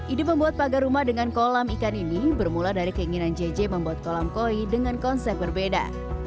ide membuat pagar rumah dengan kolam ikan ini bermula dari keinginan jj membuat kolam koi dengan konsep berbeda